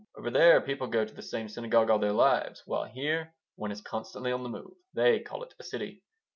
Over there people go to the same synagogue all their lives, while here one is constantly on the move. They call it a city.